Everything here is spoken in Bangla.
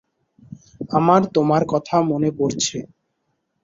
আমার তোমার কথা মনে পরছে।